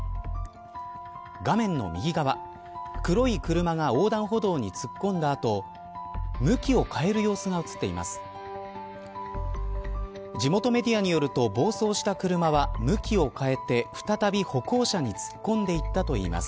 画面の右側黒い車が横断歩道に突っ込んだ後向きを変える様子が映っています。